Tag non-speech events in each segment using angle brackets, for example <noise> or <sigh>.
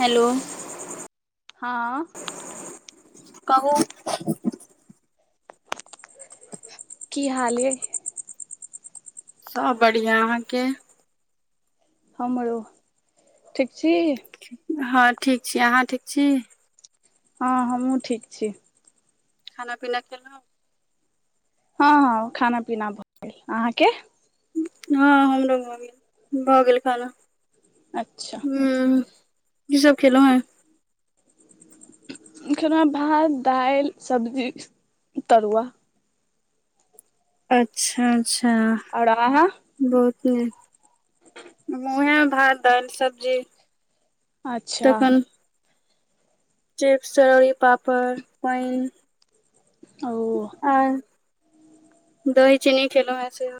Hello. हँ- कहु- की हाल यैय? सब बढ़िया अहाँके? हमरो। ठीक छी? <unintelligible> हँ ठीक छी। अहाँ ठीक छी? हँ हमँहूं ठीक छी। खाना पीना खेलौं? हँ हँ खाना पीना भऽ गेल। अहाँके? हँ हमरो भऽ गेल। भऽ गेल खाना। अच्छा। हुं- की सब खेलोंहै? खेलहुहें भात, दाइलि, सब्जी, तरुआ। अच्छा, अच्छा। आओर आहाँ? <unintelligible> ओहेए भात दाइल सब्जी। अच्छा। तखन चिप्स, चरौरी, पापड़, पैन ओ आर- दही चीनी खेलहुंहें सेहो।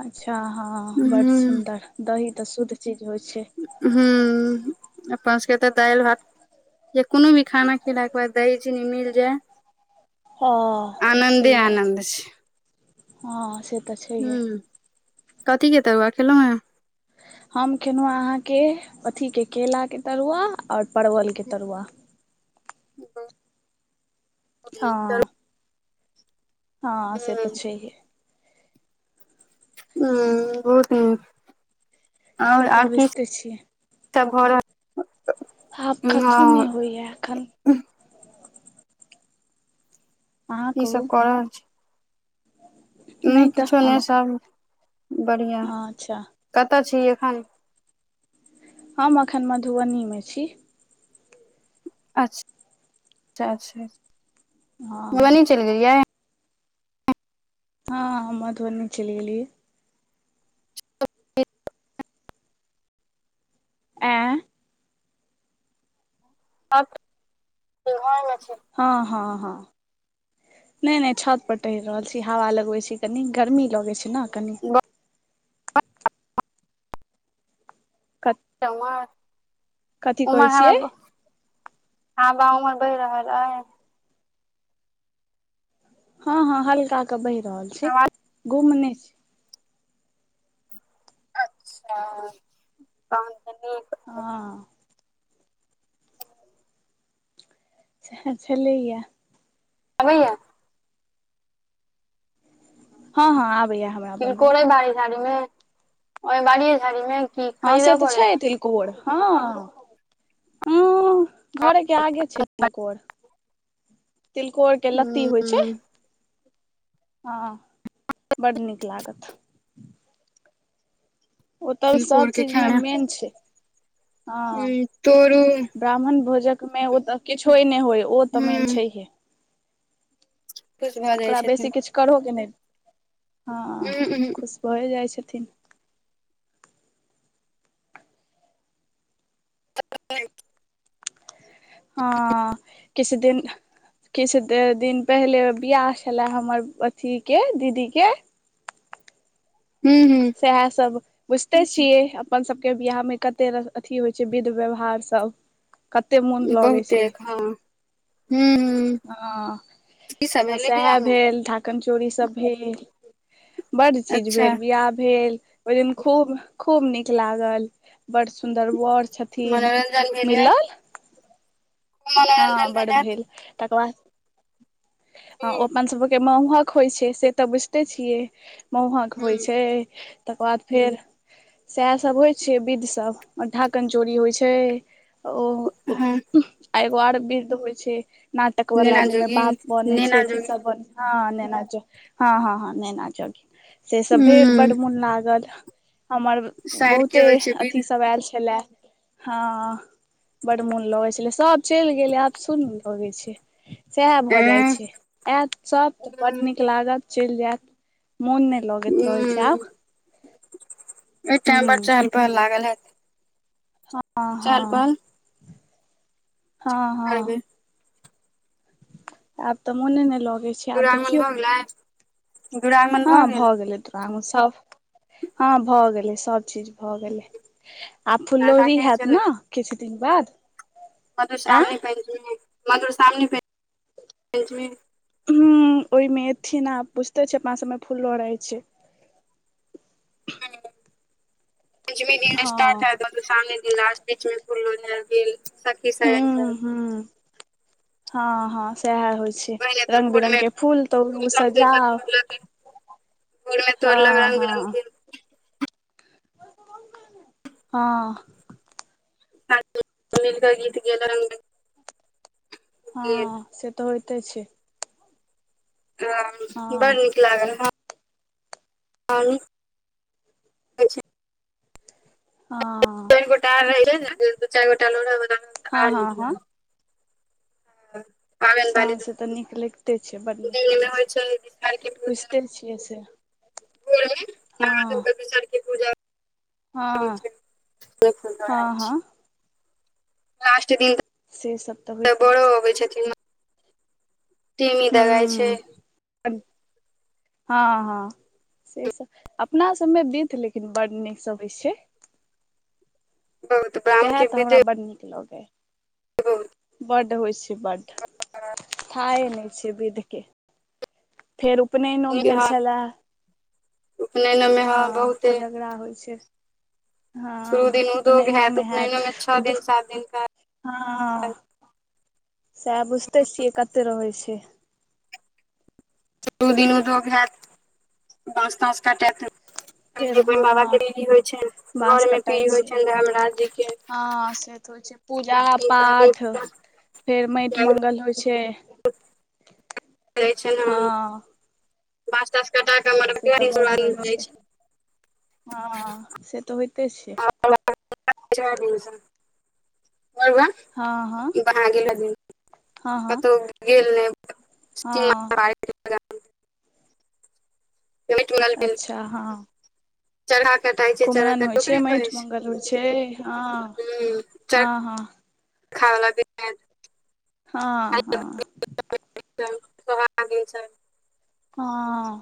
अच्छा हँ बड्ड ह सुन्दर, दही तऽ शुद्ध चीज होइ छै। हू पाँच कटा दाएल, भात या कोनो भी खाना खेला के बाद दही चीनी मिल जाय। ह आनन्दे आनन्द छै। हँ से तऽ छै है। ह कथी कतु खेलहु हं? हम केलहुँ अहाँके अथीके केलाक के तरुआ, आओर परवलके तरुआ। ह <inaudible> ओ <unintelligible> त हँ हँ से त ह छै है। ह बहुत नीक आओर से तऽ आर की बुझिते छियै <inaudible> सब भ रहल आब कथहु नहि हँ होइया एखन। अहाँ इ कहू सब कर रहल छी। उ नहि तऽ किछो हम नहि सब बढ़िया। अच्छा कतऽ छी एखन? हम अखन मधुबनी मे छी। अच्छा अच्छ <unintelligible> हँ हँ मधुबनी चलि गेलिये? हँ मधुबनी चलि गेलियै। आँई अब <unintelligible> छै हँ-हँ-हँ नहि-नहि छत पर टहिर रहल छी हवा लगबैत छी कनी गर्मी लगैत छै ने कनि। बाह <unintelligible> कत रउआ उमा हरा छियै हँ बा उमर बहि रहल अइ? हँ-हँ हल्का के बहि रहल छै आवाज गुम ने छी। अचछा पननी हँ अच्छा लैयए। आबैयए हँ-हँ आबैयेहब। तिलकोर एहि बाड़ी-झाड़ी मे, ओहि बाड़ी झाड़ी मे। की हँ से खरीदऽ तऽ पड़ैया छई तिलकोर हँ ह घरे के आगे छै तिलकोर, तिलकोर के लत्ती होइ छै। ह हँ बडड नीक लागत। ओ तब तिलकोर सब के चीज मे खाय मेन छै हँ। तोरू ब्राह्मण भोजक मे ओ तऽ किछो नहि होय ओ तऽ मेन हूं छैहे। खुश भऽ जाइ ओकरा बेसी छथिन किछु करहो कि नहि हँ हूं हूं खुश भए जाइ छथिन। त <unintelligible> हँ किछु दिन किछु दिन पहिले बिआह छलै हमर अथीके दीदीके हू-हू सएह सब बुझिते छियै अपन सभके बिवाहमे कते अथी होइ छै विध व्यवहार सब कत्ते मोन लऽगै बहुते छैह। हँ हूं हूं हॅंअ की सब तऽ भेलै सेएहे बियाह मे भेल। कमजोरी सब भेल बड्ड चीज अच्छा भेल बियाह भेल ओइ दिन खूब, खूब नीक लागल बड़ सुंदर बड़ छथीन मनोरंजन भेल हैत मिल्लल। हँ मनोरंजन बड़ हैत भेल तकर बाद ह ओ हूं अपन सभके महुहक होइ छै से तऽ बुझिते छियै। महुहक होइ हूं छै तकर बाद हूं फेर सेएहसब होइ छै बिध सब ढा़कन चोरी होइ छै ओ हँ आ एगो आर बिध होय छै नाटक बला नेना जइमे जोगिन बाप बनै छै नेना अथी जोगिन सब बनै हँ नैना जोगिन हँ हँ हँ नेैना जोगिन। से सब भेल बड्ड हूं मोन लागल। हमर साइर के बहुते होइ छै अथी विध सब आएल छलेए। हँह बड्ड मोन लगै छलय सब चैल गेलै आब सुन्न लगै छै। सेएहे भऽ जाय एं छै आएत सब तऽ बड नीक हूं लागत चैल जायत मोन नै लगैत रहै छै आब। ओइ टाइम बड ह चहलपहल लागल हेएत। आ हँअ। की हँ हँअ। करबै आब तऽ मोने नै लगै छै। आब दुरागमन देखियौ भऽ गेलइ? हँ भऽ गेलइ। सब हँ भऽ गेलै सभ चीज भऽ गेलैह। आब लड़का फुललोढ़ी केहन हेएत छलै ने किछ दिन बाद। आँ मधुश्रावणी पंचमी- मधुश्रावणी पंचमी हुँ ओहि मे एथिन आ बुझिते छियै अपना सब मे फूल लोड़हय छैय। पंचमी दिन हँ स्टार्ट हेएत मधुश्रावणी दिन लास्ट बीच मे फुललोरहय गेल। सखी सायन सब हुँ हुँ हॅं हॅं सेएहे होइ छैय। पहिले तऽ रंग भोर बिरङ्ग मे के फूल तोरू सजाउ। भोरमे हँ तोड़लक रंग बिरंग हॅंह। <unintelligible> गीत गेलनि। हॅंह से तऽ होइते छैय। हॅं हँ बड़ नीक लागल हॅं। हॅंअ। दू गोटा आर रहितै ने दू चारि गोटा लोरह बला रहल हँ आर हँ नीक हँ लागल। हाँ हॅं से तऽ नीक लगिते छइ बड नीक मे लगै छै होइ विषहर के पूजा बुझिते छी। छय भोर हाँ। <unintelligible> फुल लोरहाय हँ छै। हँ लास्ट दिन से सब तऽ होइते बड़ो छै अबै छथिन ने। छै हुँउं। हाँ हाँ से सब अपना सब मे बिध लेकिन बड नीक सब होइ छैय। बहुत ब्राह्मण सेएहे के तऽ हमरा विधि बड नीक लगै। <inaudible> बड्ड होइ छैय बड्ड। <unintelligible> थाहे नै छय विध के। फेर उपनयनो नीक भेल हत छलए। उपनयन मे ह हाँ, बहुते कोजगरा होइ छैय। शुरू दिन उदोग हैत उपनैनो में छओ दिन सात दिन का हाँ सएह बुझते छियै कते रहै छैय। शुरु दिन उदोग हएत, बाँस ताँस कटैत फेर <unintelligible> बाबा के हँ <unintelligible> होइ छैन बाँस घर में पीरी होइ छैन धर्मराज जी के। हाँ से तऽ होइ छै। पूजा हिनका -पाठ देवता फेर माइट जागृत मङ्गल होइ छैय। <unintelligible> हँ बाँछ तांस कटा क से मरवा <unintelligible> जाइ छैय। हाँ से तऽ होइते छैय। <unintelligible> जै दिन स, मरवा हँ हँ <unintelligible> कतौ गेल रहय। हं- पेट गल भेल अच्छा। हं चरखा कटाइ छै कुमरन चरखा होइ छैय ओकरे कहै मैइट छै मंगल होइ छैय हाँ- हूँ हाँ- हाँ- <unintelligible> हं -हं- <unintelligible> गेल छल। हं।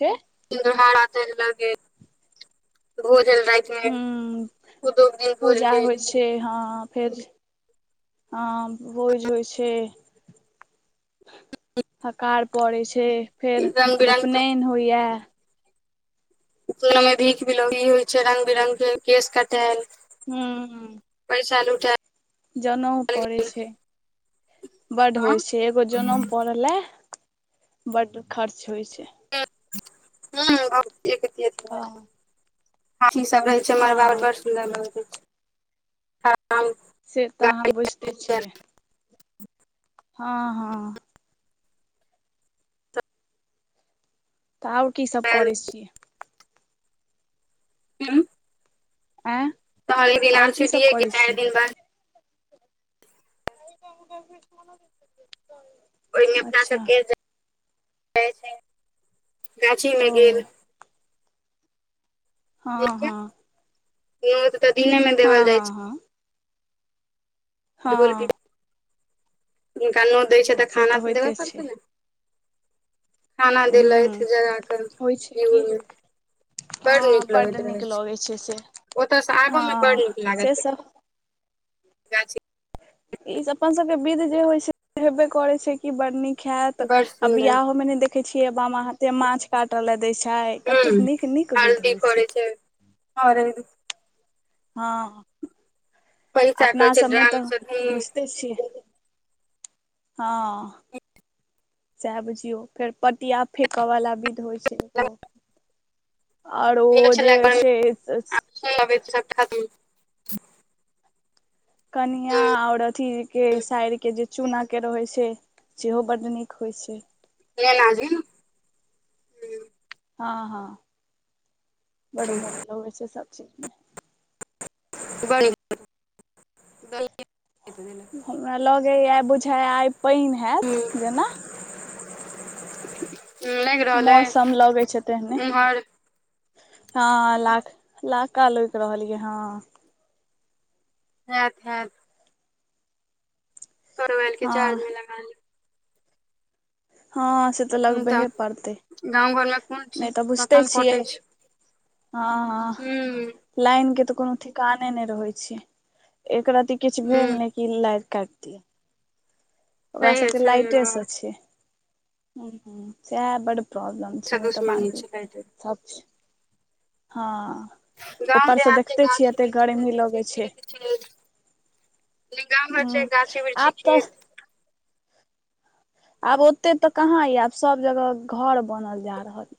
छै <unintelligible> हूँ- दू दिन भोज पूजा भेल होइ छैय। फे- हाँ -फेर, हाँ भोज होइ छैय, हकार पड़ैय छैय। फेर रंग बिरंग के उपनैन होइया। नोंनो में भीख विलोरी होइ छैय। रंग बिरंग के केश कटैल। हूँ- पइसा लुटैए- जनेउ पड़ै छै। बड्ड हँ, होइ छै, एगो जनेम पड़ऽ लए। बड्ड खर्च होइ छै। <unintelligible> हं- हाथी सब रहै छै, मड़बाप बड्ड सुन्दर लगैत रहै छय। से तऽ अहाँ बुझिते छियै। हँ- हँ- तऽ आओर की सभ चलायल। करै छियै? <unintelligible> एँ तहन एक दिन -आओर आम की सभ छुटिये गेल करै चारि छी? दिन बाद <unintelligible> ओय मे अपना अच्छा सबके जा <unintelligible> जाइ छै ओ गाछीमे गेल। हँ -हँ- न्योत तऽ दिने मे देवल हँ जाइ हँ छै। हँ हँ- जिनका नोत दै छै तऽ से खाना तऽ देबऽ होइते छै पड़तै ने- खाना ह्म देलथि जगा कऽ होइ छै कि बिहूर मे। बड़ हँ नीक बड्ड लगैत नीक रहैत छै लगै से ओतयसँ आबऽ मे बड़ हँ नीक लागत। सेसभ गाछी। ई अपन सबके विध जे होइ छै हेबे करै छै। की बड़ नीक हेत बड़ आ सुन्दर बियाहो में ने देखे छीयै बामा हाथे माछ काटऽ लेए देै छै। छै कतेक हूँ नीक नीक विध होइ छै। हरैद। हँ। पैसा अपना कहै छै सभमे ड्राम तऽ से ढूनू बुझिते छियै हँ। सएह बुझियौ फेर पटिया फेकऽ वाला विध होइ छै ओ। और गेल ओ जे छलै घर छै। <inaudible> कनिया हूँ आऔर अथी के साइर के जे चूनऽ के रहै छै। सेहो बड्ड नीक होइत छै। बिएना दिन। हँ हँ बड्ड मोन लगै छै सब चीज मे। बड नीक। <unintelligible> हमरा लगैया बुझाया आइ पइन हैत जेना। लागि रहल अइ मौसम लगे छै तेहने। उम्हर हँ लाख लाका लोकि रहल ये हँ। हैत हैत। तोहर मोबाइल के हँ चार्ज मे लगा ले हँ से तऽ लगबेहे पड़तै गाँव घर मे कोन ठीक नहि तऽ बुझिते कखन छियै। कटै छै हँ हँ। हूं लाइन के तऽ कोनो ठिकाने नहि रहै छै एकरति किछु हूं भेल ने। कि लाइट काटि दियैय। ओकरा छैहे सबके छैहे लाइटे हँ स छै हूँ सएह बड प प्रॉब्लम छै से नहि तऽ दुश्मनी बाकी छै काइटे सब छै हँ। गाँव ऊपरसँ देहात छै देखते छियै गाछी एते वृक्षी गर्मी कते लगै छै। खेत जे गाम घर ह छै गाछी वृक्षी आब पस खेत आब ओते तऽ कहा य आब सब जगह घर बनल जा रहल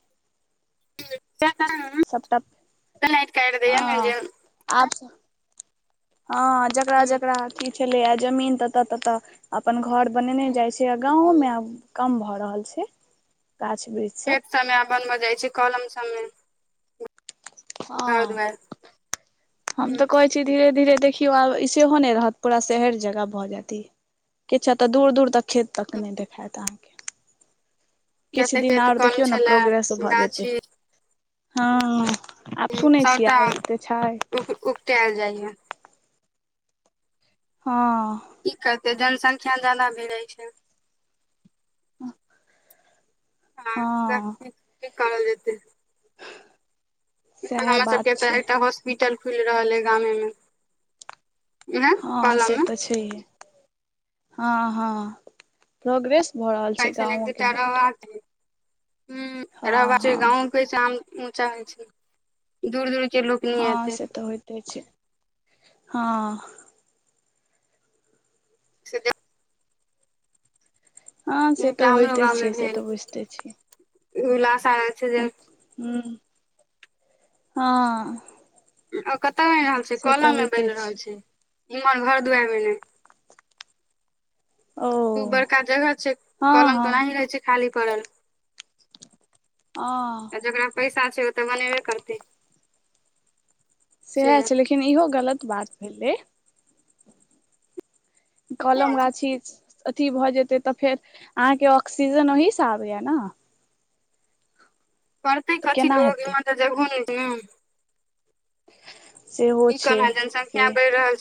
<unintelligible> सबटा लाइट काइट दैये ने हँ जे आब हँ जकरा हूं जेकरा की अथी छले या जमीन तत ततऽ अपन घर बनेने जाइ छै। गांवों में हूं आब कम भऽ रहल छै गाछ वृक्ष। खेत सब मे आ बनब जाइ छै कलम सब मे। हँ दुआरि हम हूं तऽ कह धीरे धीरे देखियौ आब ई सेहो नहि रहत पूरा शहर जेका भऽ जैत इ। किछा तऽ दूर दूर तक खेत तक नहि देखायत अहाँके। किछु जते दिन खेत आर कम देखियौ ने छले प्रोग्रेस भऽ जेतै गाछी हँ। आब सुनै छियै एते छै। उपटाल जाइया। हँ। की करते जनसंख्या ज्यादा भेल जाय छै। हं हँ <unintelligible> की करल जेतै। एखन सएह हमरा बात सबके छै तऽ एकटा हॉस्पिटल खुलि रहल ऐ गामे मे उहे हँ कलम से मे तऽ छैहे हँ हँ। प्रोग्रेस भऽ रहल छै गाँवोके बड। हं हँ रहबा छै हँ गाँवोके चाम ऊँचा होइ छै दूर दूर के लोक नहि हँ एतै से तऽ होइतै छै हँ। से दे हँ से एकटा तऽ हमरो होइते गाँव मे छै से भेल तऽ बुझिते छियै। <unintelligible> अछ हूं हँ। ओ कतौ बनि रहल छै से तऽ कलम मे होइते बनि रहल छै इम्हर घर दुआरि में नहि। ओ खूब बड़का जगह छै हँ कलम तऽ हँ ओनाहि रहै छै खाली पड़ल हँ आ जकरा पैसा छै ओ तऽ बनेबे करतै। से सएह छै लेकिन इहो गलत बात भेलै। कलम हँ, गाछी अथी भऽ जेतै तऽ फेर अहाँके ऑक्सीजन ओहिस आबैया न। करतै तऽ कथी केना लोग हेतै इमहर तऽ जगहो नै छै। सेहो की छै कम हैत जनसंख्या से बढ़ि रहल